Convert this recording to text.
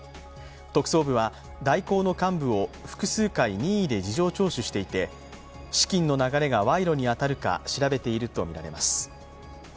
特捜部は大広の幹部を複数回任意で事情聴取していて資金の流れが賄賂に当たるか調べているとみられます。